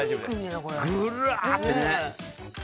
ぐらーってね。